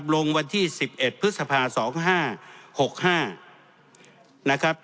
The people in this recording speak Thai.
ลงวันที่๑๑พฤษภาคมสองห้าหกห้า